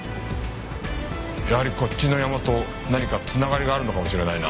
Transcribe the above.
やはりこっちのヤマと何か繋がりがあるのかもしれないな。